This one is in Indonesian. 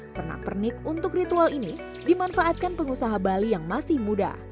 pernak pernik untuk ritual ini dimanfaatkan pengusaha bali yang masih muda